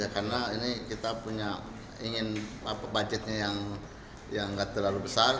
karena ini kita punya ingin budgetnya yang nggak terlalu besar